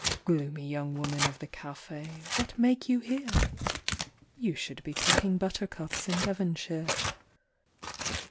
Gloomy young woman of the Cafe, what make you here ? You should be picking buttercups in Devonshire.